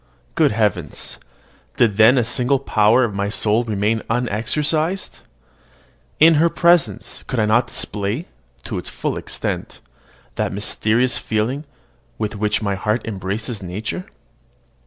Good heavens! did then a single power of my soul remain unexercised? In her presence could I not display, to its full extent, that mysterious feeling with which my heart embraces nature?